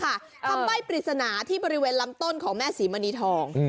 ทำใบ้ปริศนาที่บริเวณลำต้นของแม่ศรีมณีทอง